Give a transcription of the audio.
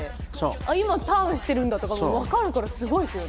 今ターンしているんだ！とかわかるからすごいですよね。